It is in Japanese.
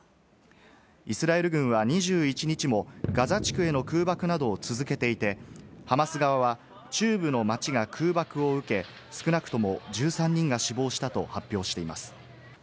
イスラエル軍は２１日もガザ地区への空爆などを続けていて、ハマス側は中部の町が空爆を受け、少なくとも１３人が死亡したと発表しています。